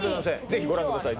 ぜひご覧ください